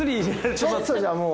ちょっとじゃもう。